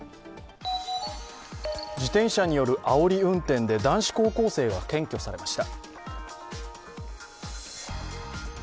自転車によるあおり運転で男子高校生が検挙されました。